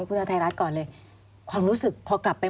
มันจอดอย่างง่ายอย่างง่ายอย่างง่าย